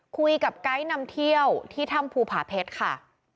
ไกด์นำเที่ยวที่ถ้ำภูผาเพชรค่ะ